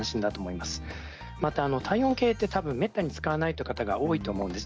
また体温計はめったに使わないという方が多いと思うんです。